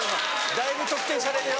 だいぶ特定されるよ。